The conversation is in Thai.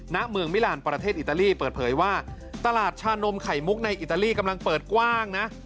ณเมืองมิลานประเทศอิตาลีเปิดเผยว่าตลาดชานมไข่มุกในอิตาลีกำลังเปิดกว้างนะ